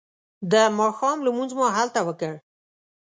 د ماښام لمونځ مو هلته وکړ.